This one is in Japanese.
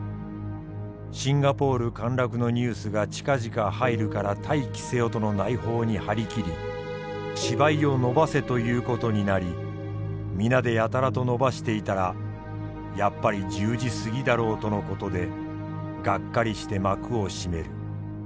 シンガポール陥落のニュースが近々入るから待機せよとの内報に張り切り芝居を延ばせということになり皆でやたらと延ばしていたらやっぱり１０時過ぎだろうとのことでがっかりして幕を閉める。